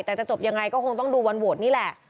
แต่จะจบยังไงก็คงต้องดูวันโหวตนี่แหละ